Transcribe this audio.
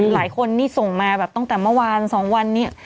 หลายคนนี่ส่งมาแบบตั้งแต่เมื่อวาน๒วันนี้